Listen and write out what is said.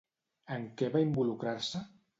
En què va involucrar-se?